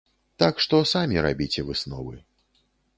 Так што самі рабіце высновы.